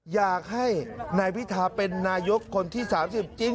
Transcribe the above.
อยากให้นายพิธาเป็นนายกคนที่๓๐จริง